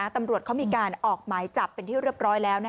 ตำรวจเขามีการออกหมายจับเป็นที่เรียบร้อยแล้ว